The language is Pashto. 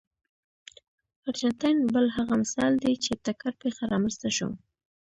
ارجنټاین بل هغه مثال دی چې ټکر پېښه رامنځته شوه.